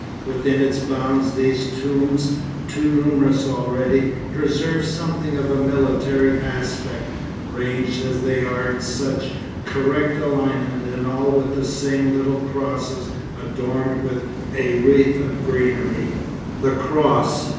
Within its bounds those tombs, too numerous already, preserve something of a military aspect, ranged as they are in such correct alignment and all with the same little crosses, adorned with a wreath of greenery. The Cross!